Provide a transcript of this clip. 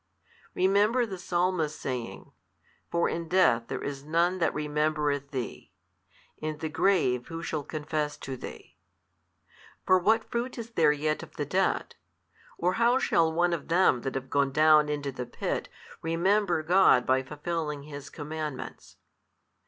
Remember the Psalmist saying. For in death there is none that remembereth Thee: in the grave who shall confess to Thee? For what fruit is there yet of the dead, or how shall one of them that have gone down into the pit remember God by fulfilling His Commandments?